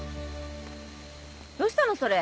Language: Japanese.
どうしたのそれ。